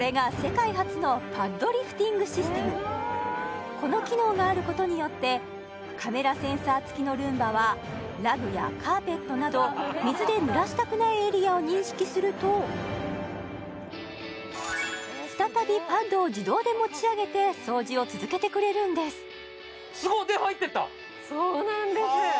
これがこの機能があることによってカメラセンサーつきのルンバはラグやカーペットなど水で濡らしたくないエリアを認識すると再びパッドを自動で持ち上げて掃除を続けてくれるんですすごっで入ってったそうなんです